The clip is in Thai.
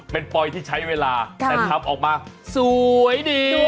เป็นปอยที่ใช้เวลาแต่ทำออกมาสวยดี